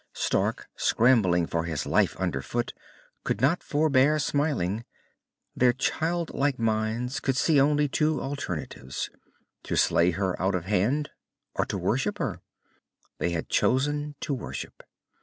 Stark, scrambling for his life underfoot, could not forbear smiling. Their childlike minds could see only two alternatives to slay her out of hand, or to worship her. They had chosen to worship.